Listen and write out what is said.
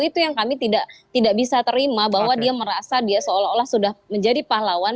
itu yang kami tidak bisa terima bahwa dia merasa dia seolah olah sudah menjadi pahlawan